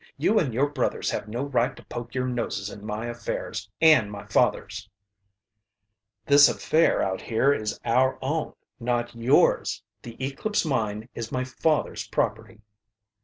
You and your brothers have no right to poke your noses in my affairs, and my father's." "This affair out here is our own, not yours. The Eclipse Mine is my father's property."